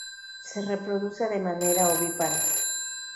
Se reproduce de manera ovípara.